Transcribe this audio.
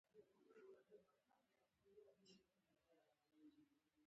په پایله کې به اضافي کار یو ساعت زیات شي